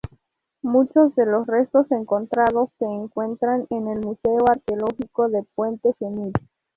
Muchos de los restos encontrados se encuentran en el Museo Arqueológico de Puente Genil.